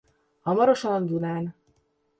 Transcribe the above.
Hamarosan a Dunán!